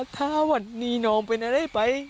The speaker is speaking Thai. ถ้าวันนี้น้องไปไหนได้ไป